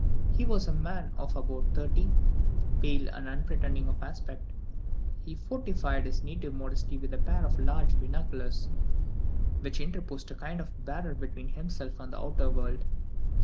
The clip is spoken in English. He was a man of about thirty, pale, and unpretending of aspect, who fortified his native modesty with a pair of large binoculars, which interposed a kind of barrier between himself and the outer world.